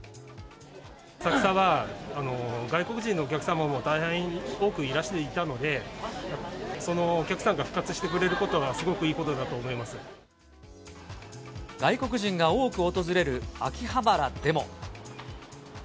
浅草は外国人のお客様も大変多くいらしていたので、そのお客さんが復活してくれることは、すごくいいことだと思いま外国人が多く訪れる秋葉原でも。